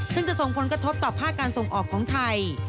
ซึ่งจะส่งผลกระทบต่อภาคการส่งออกของไทย